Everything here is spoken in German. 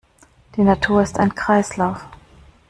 Die Natur ist ein Kreislauf.